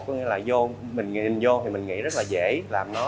có nghĩa là mình nhìn vô thì mình nghĩ rất là dễ làm nó